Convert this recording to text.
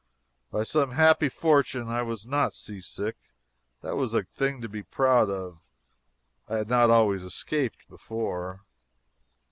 By some happy fortune I was not seasick. That was a thing to be proud of. I had not always escaped before.